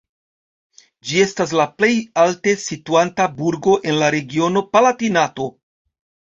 Ĝi estas la plej alte situanta burgo en la regiono Palatinato.